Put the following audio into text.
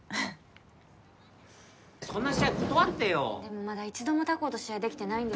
そんな試合断ってよでもまだ一度も他校と試合できてないんですよ